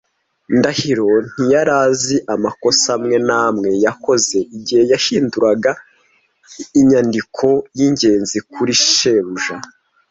Ndahiro ntiyari azi amakosa amwe n'amwe yakoze igihe yahinduraga inyandiko y'ingenzi kuri shebuja.